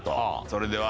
それでは。